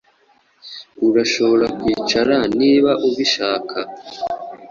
Urashobora kwicara niba ubishaka.